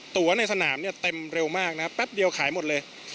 ตัวในสนามเนี่ยเต็มเร็วมากนะแป๊บเดียวขายหมดเลย